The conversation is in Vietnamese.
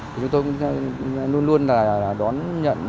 chúng tôi luôn luôn là đón nhận